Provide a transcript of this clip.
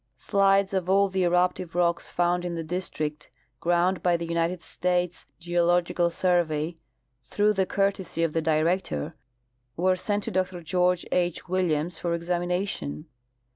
Slides of all the eruptive rocks found in the district, ground by the United States Geological Survey, through the courtesy of the director, were sent to Dr George H. Williams for examina tion.